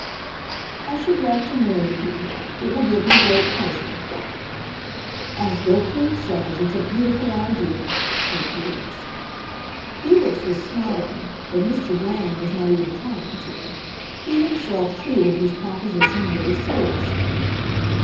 "I should like to marry you. It will give me great pleasure." "As Gertrude says, it's a beautiful idea," said Felix. Felix was smiling, but Mr. Brand was not even trying to. He himself treated his proposition very seriously.